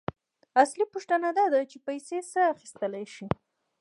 اصلي پوښتنه داده چې پیسې څه اخیستلی شي